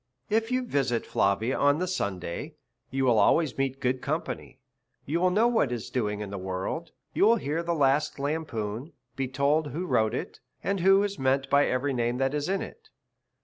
If you visit Flavia on the Sunday, you will always meet good company, you will know what is doing in the world, you will hear the last lampoon, be told who wrote it, and who is meant by every name that is in it.